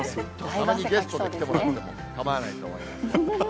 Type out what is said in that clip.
たまにゲストで来てもらっても構わないと思います。